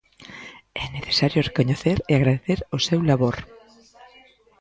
É necesario recoñecer e agradecer o seu labor.